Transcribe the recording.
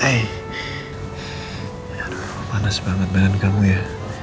aduh panas banget badan kamu ya